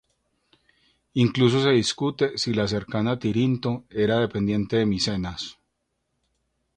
Incluso se discute si la cercana Tirinto era dependiente de Micenas.